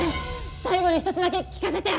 最後に一つだけ聞かせて！